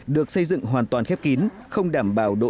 được xây dựng hoàn toàn khép kín không đảm bảo đồng lúa